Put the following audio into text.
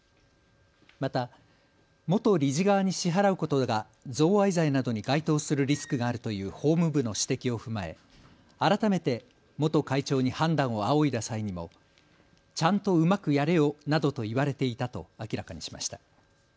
また、元理事側に支払うことが贈賄罪などに該当するリスクがあるという法務部の指摘を踏まえ改めて元会長に判断を仰いだ際にもちゃんとうまくやれよ、などと言われていたと明らかにしました。